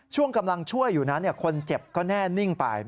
ช่วงกำลังช่วยอยู่นั้นคนเจ็บก็แน่นิ่งไป